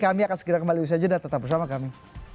kami akan segera kembali usaha jeda tetap bersama kami